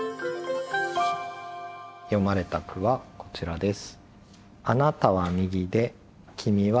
詠まれた句はこちらです。